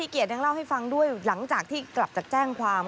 เกียรติยังเล่าให้ฟังด้วยหลังจากที่กลับจากแจ้งความ